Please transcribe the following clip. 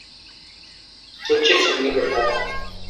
Sun ce sun yi ritaya.